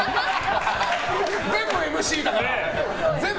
全部ＭＣだから。